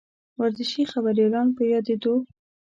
ورزشي خبریالان به یادېدوو.